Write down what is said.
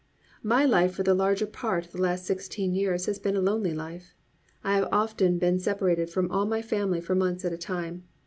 My life for the larger part of the last sixteen years has been a lonely life. I have often been separated from all my family for months at a time.